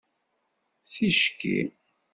Ticki